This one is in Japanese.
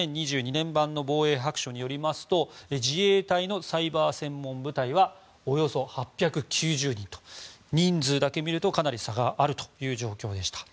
年版の防衛白書によりますと自衛隊のサイバー専門部隊はおよそ８９０人と人数だけ見るとかなり差があるという状況でした。